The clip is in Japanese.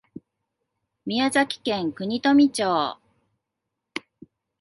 宮崎県国富町